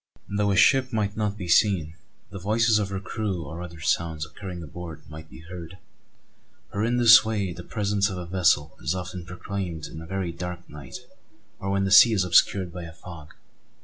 Though a ship might not be seen, the voices of her crew or other sounds occurring aboard might be heard; for in this way the presence of a vessel is often proclaimed in a very dark night or when the sea is obscured by a fog.